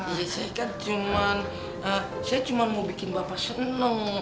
iya saya cuma mau bikin bapak seneng